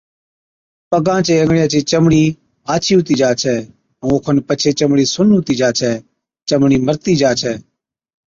پگان چي انگڙِيان چِي چمڙِي آڇِي هُتِي جا ڇَي ائُون او کن پڇي چمڙِي سُن هُتِي جا ڇَي (چمڙِي مرتِي جا ڇَي)